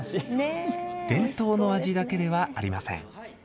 伝統の味だけではありません。